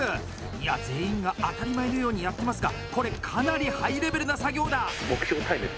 いや全員が当たり前のようにやってますが、これかなりハイレベルな作業だ！